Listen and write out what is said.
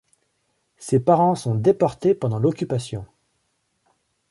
Ses parents sont déportés pendant l'Occupation.